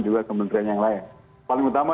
juga kementerian yang lain paling utama